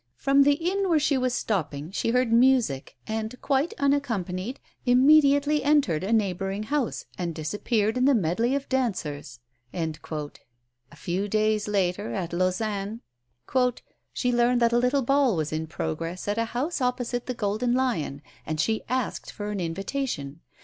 "From the inn where she was stopping she heard music, and, quite unaccompanied, immediately entered a neighbouring house and disappeared in the medley of dancers." A few days later, at Lausanne, "she learned that a little ball was in progress at a house opposite the 'Golden Lion,' and she asked for an invitation.